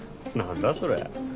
何だそれ？